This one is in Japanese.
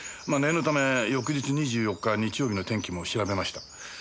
まあ念のため翌日２４日日曜日の天気も調べました。